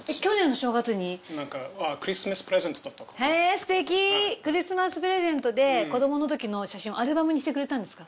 すてきクリスマスプレゼントで子どもの時の写真をアルバムにしてくれたんですか？